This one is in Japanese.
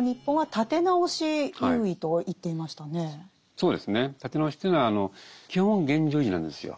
立て直しというのは基本現状維持なんですよ。